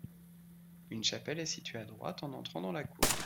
Une chapelle est située à droite en entrant dans la cour.